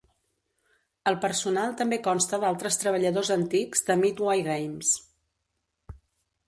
El personal també consta d'altres treballadors antics de Midway Games.